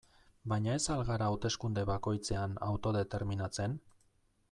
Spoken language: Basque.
Baina ez al gara hauteskunde bakoitzean autodeterminatzen?